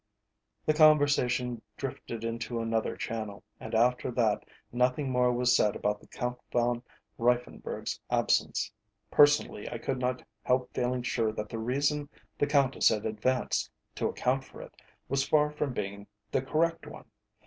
The conversation drifted into another channel, and after that nothing more was said about the Count Von Reiffenburg's absence. Personally, I could not help feeling sure that the reason the Countess had advanced to account for it was far from being the correct one.